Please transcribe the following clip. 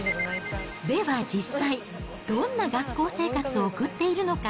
では実際、どんな学校生活を送っているのか。